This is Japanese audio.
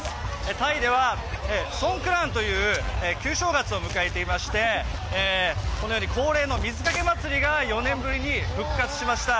タイではソンクラーンという旧正月を迎えていましてこのように恒例の水かけ祭りが４年ぶりに復活しました。